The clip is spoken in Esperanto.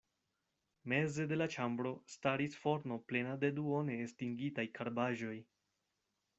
Meze de la ĉambro staris forno plena de duone estingitaj karbaĵoj.